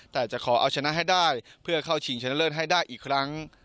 แต่จะขอเอาชนะให้ได้เพื่อเข้าชิงชนะเลิศให้ได้อีกครั้ง